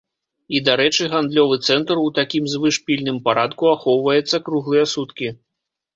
І, дарэчы, гандлёвы цэнтр у такім звышпільным парадку ахоўваецца круглыя суткі.